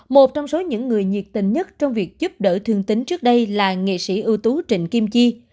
một trong số những người nhiệt tình nhất trong việc giúp đỡ thương tính trước đây là nghệ sĩ ưu tú trịnh kim chi